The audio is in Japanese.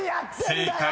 ［正解。